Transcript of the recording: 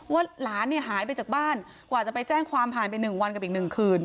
หลานเนี่ยหายไปจากบ้านกว่าจะไปแจ้งความผ่านไป๑วันกับอีก๑คืน